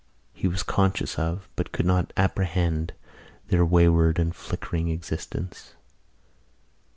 He was conscious of, but could not apprehend, their wayward and flickering existence.